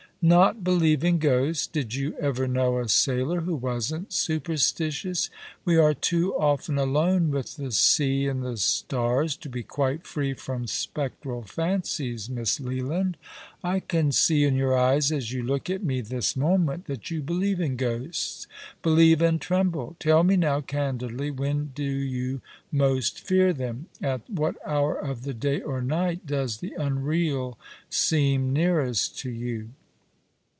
" Not believe in ghosts ? Did you ever know a sailor who wasn't superstitious ? Yv^e are too often alone with the sea and the stars to be quite free from spectral fancies. Miss Leland. I can see in your eyes as you look at me this 158 All along the River, moment that you believe in gliosts — believe and tremble. Tell me now, candidly — When do you most fear them ? At what hour of the day or night does the unreal seem nearest to you?"